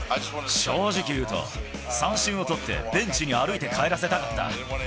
正直言うと、三振を取ってベンチに歩いて帰らせたかった。